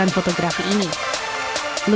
sampai w obtain nei berta laut